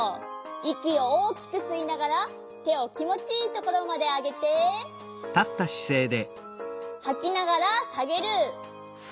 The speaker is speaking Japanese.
いきをおおきくすいながらてをきもちいいところまであげてはきながらさげる。